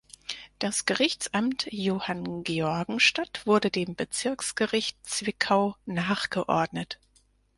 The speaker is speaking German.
Das Gerichtsamt Johanngeorgenstadt wurde dem Bezirksgericht Zwickau nachgeordnet.